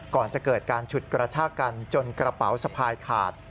ก่อนจะเกิดการฉุดกระชากันจนกระเป๋าสะพายขาด